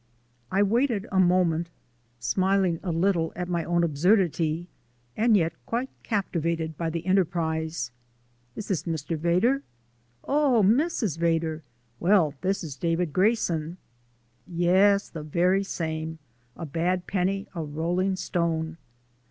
I waited a moment, smiling a little at my own absurdity and yet quite captivated by the enterprise. "Is this Mr. Vedder? Oh, Mrs. Vedder! Well, this is David Grayson.".... "Yes, the very same. A bad penny, a rolling stone."....